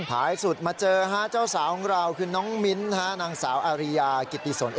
ท้ายสุดมาเจอเจ้าสาวของเราคือน้องมิ้นนางสาวอาริยากิติสน